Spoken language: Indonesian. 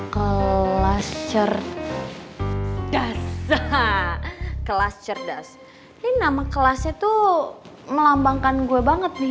kelas cerda kelas cerdas ini nama kelasnya tuh melambangkan gue banget nih